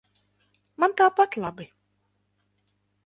Man tāpat labi.